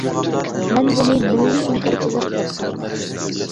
مەن بۇنى مىللىي ئىنكارچىلىق دەپ قارايمەن.